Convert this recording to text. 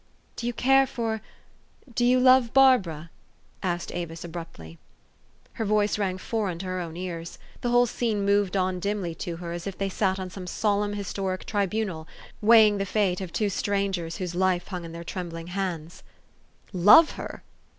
'' Do you care for do you love Barbara ?'' asked Avis abruptly. Her voice rang foreign to her own ears. The whole scene moved on dimly to her, as if they sat on some solemn historic tribunal, weigh ing the fate of two strangers whose life hung in their trembling hands. "Love her?